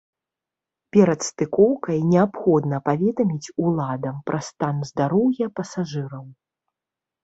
Перад стыкоўкай неабходна паведаміць уладам пра стан здароўя пасажыраў.